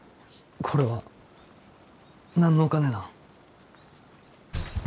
これは何のお金なん？